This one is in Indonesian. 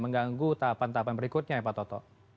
mengganggu tahapan tahapan berikutnya ya pak toto